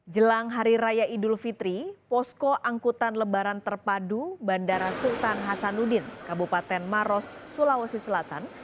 jelang hari raya idul fitri posko angkutan lebaran terpadu bandara sultan hasanuddin kabupaten maros sulawesi selatan